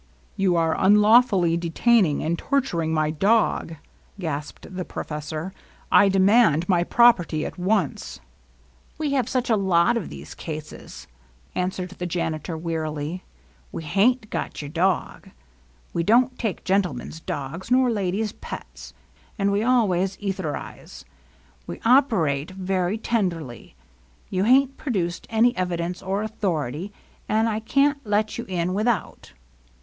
^^ You are unlawfully detaining and torturing my ^^S *" g^^<^ ^^6 professor. ^^ I demand my pro perty at once !"^^ We have such a lot of these cases," answered the janitor wearily. "We hain't got your dog. We don't take gentlemen's dogs, nor ladies' pets. And we always etherize. We operate very tenderly. You hain't produced any evidence or authority, and I can't let you in without."